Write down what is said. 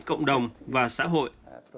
cộng đồng và xã hội